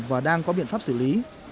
và đang có biện pháp xử lý